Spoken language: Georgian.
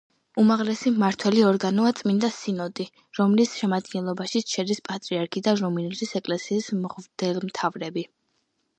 უმაღლესი მმართველი ორგანოა წმინდა სინოდი, რომლის შემადგენლობაშიც შედის პატრიარქი და რუმინეთის ეკლესიის მღვდელმთავრები.